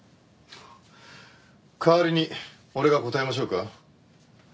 代わりに俺が答えましょうか？